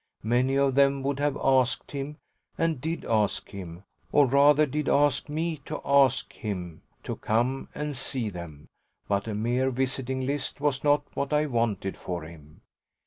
Many of them would have asked him, and did ask him, or rather did ask me to ask him, to come and see them, but a mere visiting list was not what I wanted for him.